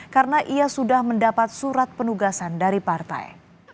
karena ia sudah mendapat surat penugasan dari partai